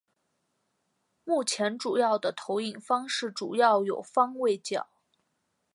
目前主要的投影方式主要有方位角。